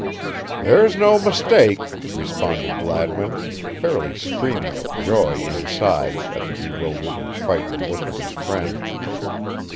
"There's no mistake," responded Gladwin, fairly screaming with joy inside at the bewildered and frightened look of his friend.